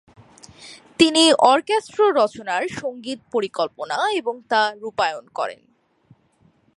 তিনি অর্কেস্ট্রা রচনার সঙ্গীত পরিকল্পনা এবং তা রূপায়ন করেন।